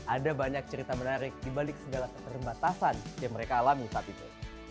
ada banyak cerita menarik di balik segala keterbatasan yang mereka alami saat itu